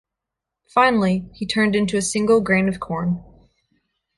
Finally, he turned into a single grain of corn.